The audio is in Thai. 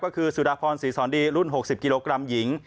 ก็คือสุดาพรศรีสอนดีรุ่น๖๐กิโลกรัมหญิง